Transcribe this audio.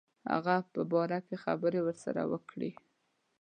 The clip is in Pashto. هغه په باره کې خبري ورسره وکړي.